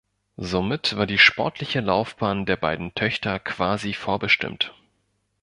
Somit war die sportliche Laufbahn der beiden Töchter quasi vorbestimmt.